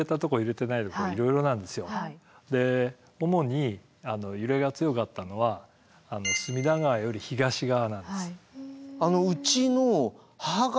で主に揺れが強かったのは隅田川より東側なんです。